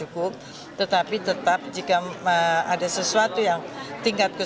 bapak ibu dan lain lain ya bu